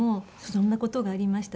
そんな事がありました。